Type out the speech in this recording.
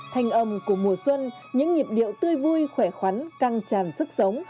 thanh âm của mùa xuân những nhịp điệu tươi vui khỏe khoắn căng tràn sức sống